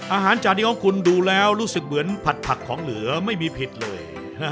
จานนี้ของคุณดูแล้วรู้สึกเหมือนผัดผักของเหลือไม่มีผิดเลย